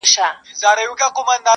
وږمه ځي تر ارغوانه پښه نيولې-